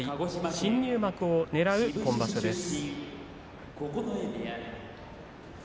新入幕をねらう今場所です。